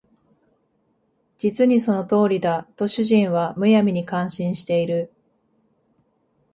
実にその通りだ」と主人は無闇に感心している